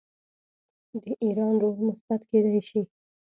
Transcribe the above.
د ایران رول مثبت کیدی شي.